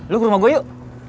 lu ke rumah gue yuk